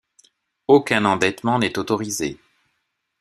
Aucun endettement n'est autorisé.